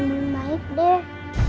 melu baik deh